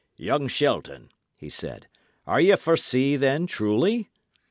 "Young Shelton," he said, "are ye for sea, then, truly?"